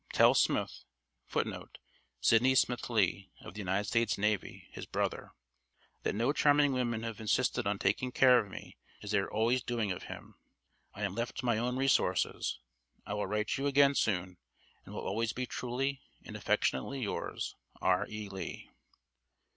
Tell Smith [Footnote: Sidney Smith Lee, of the United States Navy, his brother.] that no charming women have insisted on taking care of me as they are always doing of him I am left to my own resources. I will write you again soon, and will always be truly and affectionately yours, "R. E. LEE.